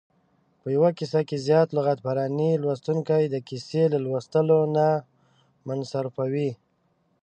په یوه کیسه کې زیاته لغت پراني لوستونکی د کیسې له لوستلو نه منصرفوي.